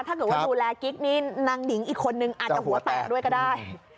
ถ้าเกิดว่าดูแลกิ๊กนี่นางนิงอีกคนนึงอาจจะหัวแตกด้วยก็ได้